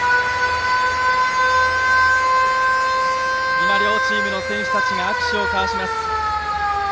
今、両チームの選手たちが握手を交わします。